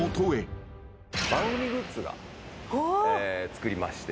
番組グッズ作りまして。